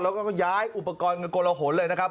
แล้วก็ย้ายอุปกรณ์กันกลหนเลยนะครับ